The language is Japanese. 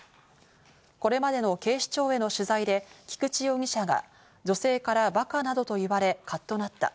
これまでの警視庁への取材で菊池容疑者が女性からバカなどと言われカッとなった。